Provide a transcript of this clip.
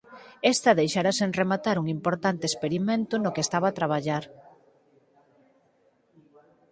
Esta deixara sen rematar un importante experimento no que estaba a traballar.